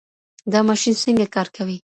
دا ماشین څنګه کار کوي؟